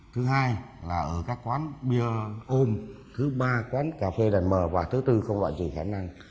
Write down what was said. thứ hai là ở các quán bia ôm thứ ba quán cà phê đèn mờ và thứ tư không loại trừ khả năng